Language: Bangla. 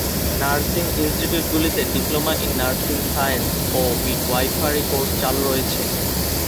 নার্সিং ইনিস্টিটিউটগুলিতে ডিপ্লোমা ইন নার্সিং সায়েন্স ও মিডওয়াইফারি কোর্স চালু রয়েছে।